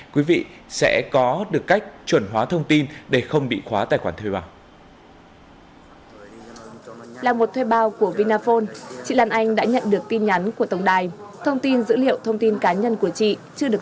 quý vị sẽ có được cách chuẩn hóa thông tin để không bị khóa tài khoản thuê vào